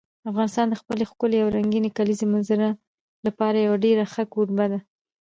افغانستان د خپلې ښکلې او رنګینې کلیزو منظره لپاره یو ډېر ښه کوربه دی.